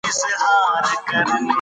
کلیوال د لږ خوراک له امله ګیلې کوي.